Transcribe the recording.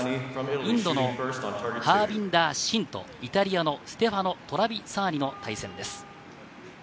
インドのハービンダー・シンとイタリアのステファノ・トラビサーニの対戦です。